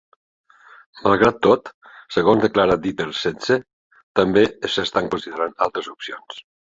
Malgrat tot, segons declara Dieter Zetsche, també s'estan considerant altres opcions.